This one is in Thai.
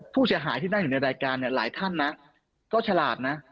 ผู้เสียหายที่นั่งอยู่ในรายการเนี่ยหลายท่านนะก็ฉลาดนะ